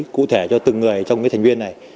cụ thể cho từng người trong thành viên này